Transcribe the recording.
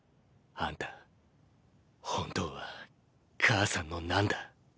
あんた本当は母さんの何だ？